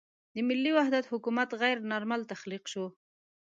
د ملي وحدت حکومت غیر نارمل تخلیق شو.